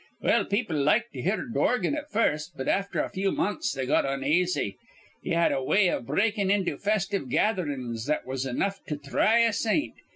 "Well, people liked to hear Dorgan at first, but afther a few months they got onaisy. He had a way iv breakin' into festive gatherin's that was enough to thry a saint.